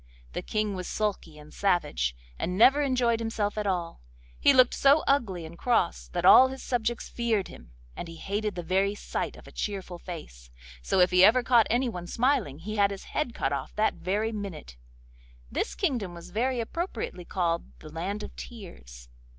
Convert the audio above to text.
The King was sulky and savage, and never enjoyed himself at all. He looked so ugly and cross that all his subjects feared him, and he hated the very sight of a cheerful face; so if he ever caught anyone smiling he had his head cut off that very minute. This kingdom was very appropriately called the Land of Tears.